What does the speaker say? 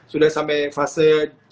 sudah sampai fase tiga